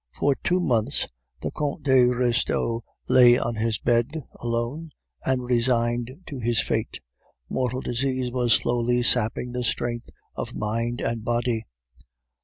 "For two months the Comte de Restaud lay on his bed, alone, and resigned to his fate. Mortal disease was slowly sapping the strength of mind and body.